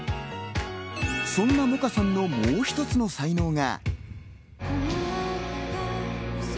そんな萌歌さんのもう一つの才能が。